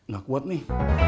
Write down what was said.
gak kuat nih